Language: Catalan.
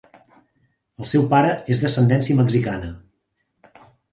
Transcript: El seu pare és d'ascendència mexicana.